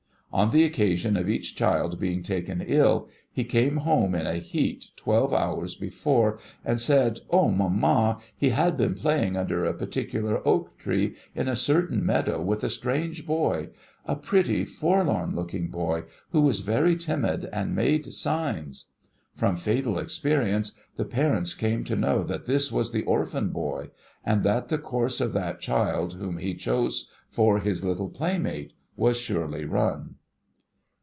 On the occasion of each child being taken ill, he came home in a heat, twelve hours before, and said, Oh, mamma, he had been playing under a particular oak tree, in a certain meadow, with a strange boy — a pretty, forlorn looking boy, who was very timid, and made signs ! From fatal experience, the parents came to know that this was the Orphan Boy, and that the course of that child whom he chose for his little playmate was surely run.